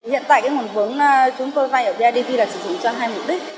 hiện tại cái nguồn vốn chúng tôi vay ở bidv là chỉ dùng cho hai mục đích